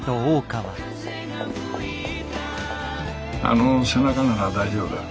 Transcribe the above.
あの背中なら大丈夫だ。